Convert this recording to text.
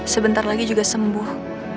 sebentar lagi juga sembuh